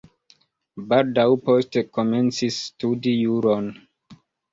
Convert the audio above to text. Baldaŭ poste komencis studi juron.